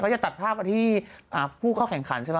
จะตัดภาพมาที่ผู้เข้าแข่งขันใช่ไหม